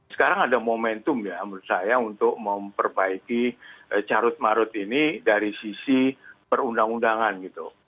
sekarang ada momentum ya menurut saya untuk memperbaiki carut marut ini dari sisi perundang undangan gitu